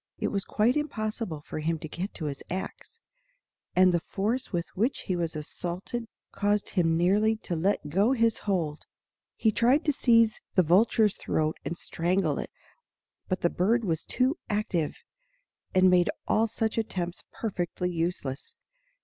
It was quite impossible for him to get at his axe, and the force with which he was assaulted caused him nearly to let go his hold. He tried to seize the vulture's throat and strangle it; but the bird was too active, and made all such attempts perfectly useless.